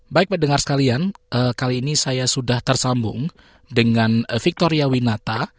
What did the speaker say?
baik mendengar sekalian kali ini saya sudah tersambung dengan victoria winata